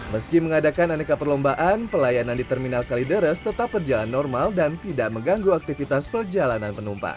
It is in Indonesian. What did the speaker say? meski mengadakan aneka perlombaan pelayanan di terminal kalideres tetap berjalan normal dan tidak mengganggu aktivitas perjalanan penumpang